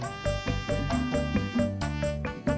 saya senang kamu minta berhenti